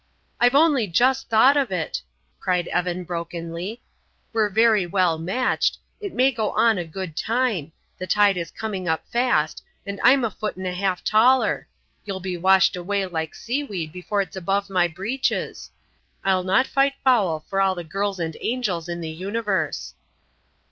"I've only just thought of it," cried Evan, brokenly. "We're very well matched it may go on a good time the tide is coming up fast and I'm a foot and a half taller. You'll be washed away like seaweed before it's above my breeches. I'll not fight foul for all the girls and angels in the universe."